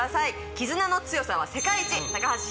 絆の強さは世界一。